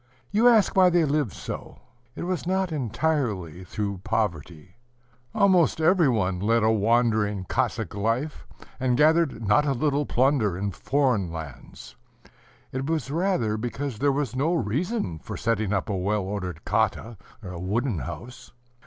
You ask why they lived so? It was not entirely through poverty: almost every one led a wandering, Cossack life, and gathered not a little plunder in foreign lands; it was rather because there was no reason for setting up a well ordered khata (wooden house).